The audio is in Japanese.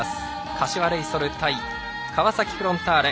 柏レイソル対川崎フロンターレ。